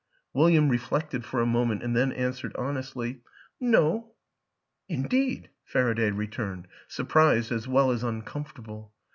" William reflected for a moment and then an swered honestly, " No." "Indeed!" Faraday returned, surprised as well as uncomfortable.